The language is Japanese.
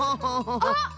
あっ！